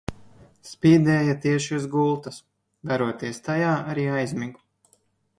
Spīdēja tieši uz gultas. Veroties tajā arī aizmigu.